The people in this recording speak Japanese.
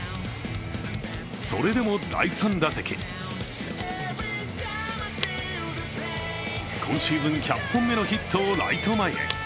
それでも第３打席今シーズン１００本目のヒットをライト前へ。